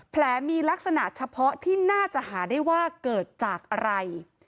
แผลมีลักษณะเฉพาะที่น่าจะหาได้ว่าเกิดจากอะไร